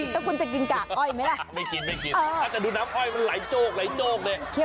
ถ้าคุณจะกินกากอ้อยไหมล่ะไม่กินถ้าจะดูน้ำอ้อยมันไหลโจกเนี่ย